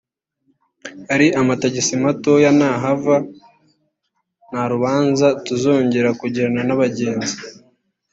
Ari amatagisi matoya nahava nta rubanza tuzongera kugirana n’abagenzi